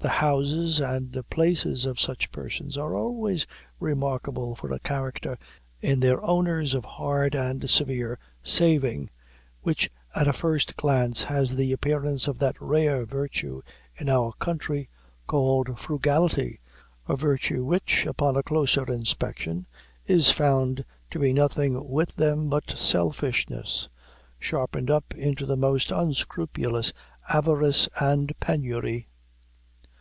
The houses and places of such persons are always remarkable for a character in their owners of hard and severe saving, which at a first glance has the appearance of that rare virtue in our country, called frugality a virtue which, upon a closer inspection, is found to be nothing with them but selfishness, sharpened up into the most unscrupulous avarice and penury.